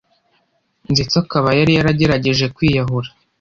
Ndetse akaba yari yaragerageje kwiyahura